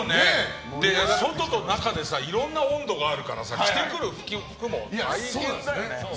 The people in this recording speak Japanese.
外と中でいろんな温度があるから着てくる服も大変だよね。